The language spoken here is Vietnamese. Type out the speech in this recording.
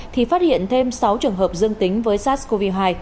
thì phát hiện thêm sáu trường hợp dương tính với sars cov hai